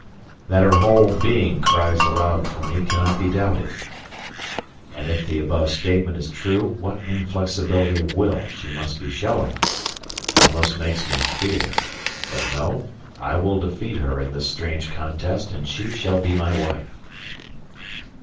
That her whole being cries aloud for me cannot be doubted, and if the above statement is true what inflexibility of will she must be showing it almost makes me fear but no, I will defeat her in this strange contest, and she shall be my wife.